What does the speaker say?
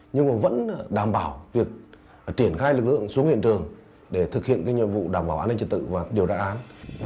nhưng mà vẫn đảm bảo việc triển khai lực lượng xuống hiện trường để thực hiện cái nhiệm vụ đảm bảo an ninh trật tự và điều đại án